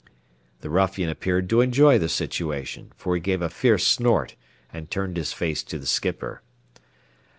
The ruffian appeared to enjoy the situation, for he gave a fierce snort and turned his face to the skipper.